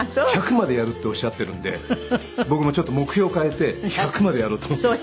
１００までやるっておっしゃっているんで僕もちょっと目標を変えて１００までやろうと思っています。